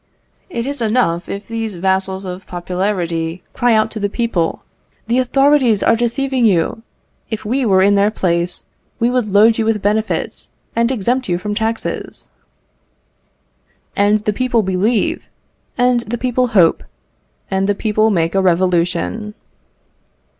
It is enough if these vassals of popularity cry out to the people "The authorities are deceiving you; if we were in their place, we would load you with benefits and exempt you from taxes." And the people believe, and the people hope, and the people make a revolution!